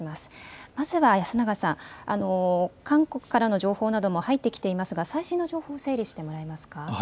安永さん、韓国からの情報なども入ってきていますが最新の情報を整理してもらえますか。